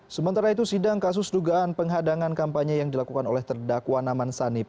sementara itu sidang kasus dugaan penghadangan kampanye yang dilakukan oleh terdakwa naman sanib